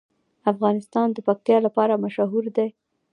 افغانستان د پکتیا لپاره مشهور دی.